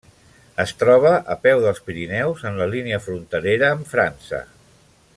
Es troba a peu dels Pirineus, en la línia fronterera amb França.